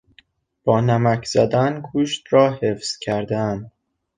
با نمک زدن گوشت را حفظ کردن